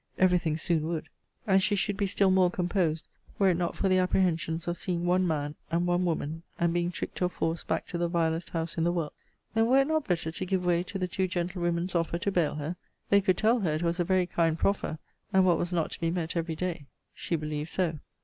Every thing soon would! And she should be still more composed, were it not for the apprehensions of seeing one man, and one woman; and being tricked or forced back to the vilest house in the world. Then were it not better to give way to the two gentlewoman's offer to bail her? They could tell her, it was a very kind proffer; and what was not to be met every day. She believed so.